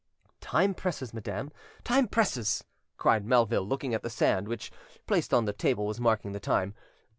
"Time presses, madam; time presses," cried Melville, looking at the sand, which, placed on the table, was marking the time.